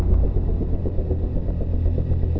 jangan jangan sebentar lagi